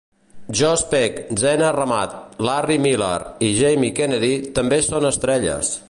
Josh Peck, Zena Ramat, Larry Miller i Jamie Kennedy també són estrelles.